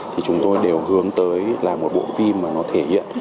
thì chúng tôi đều hướng tới là một bộ phim mà nó thể hiện